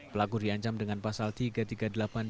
pelaku riancam dengan perut korban